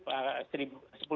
sepuluh atau satu an